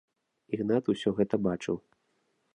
Ігнат ўсё гэта бачыў.